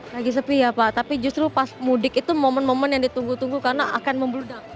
lagi sepi ya pak tapi justru pas mudik itu momen momen yang ditunggu tunggu karena akan membludak